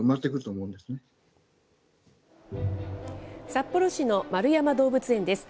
札幌市の円山動物園です。